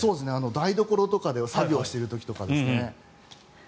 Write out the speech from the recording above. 台所とかで作業してる時とかですね。